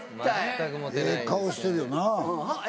ええ顔してるよな。